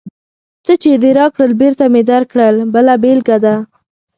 څه چې دې راکړل، بېرته مې درکړل بله بېلګه ده.